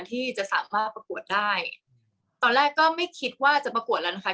ที่จะสามารถประกวดได้ตอนแรกก็ไม่คิดว่าจะประกวดแล้วนะคะ